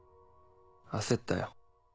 焦ったよ。